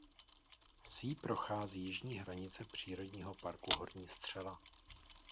Vsí prochází jižní hranice přírodního parku Horní Střela.